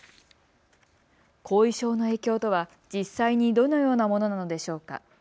後遺症の影響とは実際にどのようなものなのでしょうか。